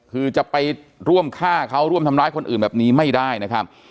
คือจะไปร่วมฆ่าเขาร่วมทำร้ายคนอื่นแบบนี้ไม่ได้นะครับ